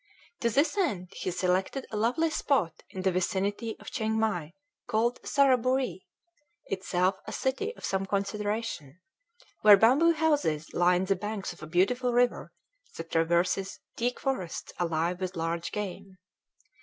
To this end he selected a lovely spot in the vicinity of Chiengmai, called Saraburee, itself a city of some consideration, where bamboo houses line the banks of a beautiful river, that traverses teak forests alive with large game.